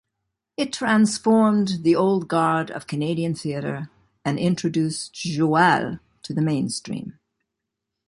It transformed the old guard of Canadian theatre and introduced joual to the mainstream.